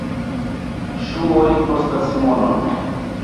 Ŝuoj kostas monon.